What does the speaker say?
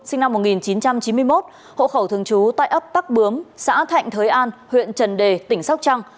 sinh năm một nghìn chín trăm chín mươi một hộ khẩu thường trú tại ấp tắc bướm xã thạnh thới an huyện trần đề tỉnh sóc trăng